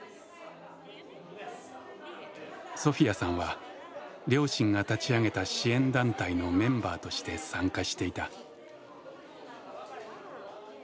ソフィヤさんは両親が立ち上げた支援団体のメンバーとして参加していた。